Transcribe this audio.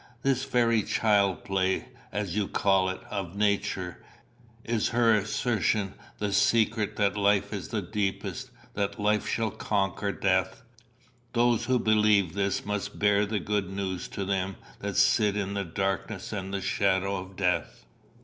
This very childplay, as you call it, of Nature, is her assertion of the secret that life is the deepest, that life shall conquer death. Those who believe this must bear the good news to them that sit in darkness and the shadow of death.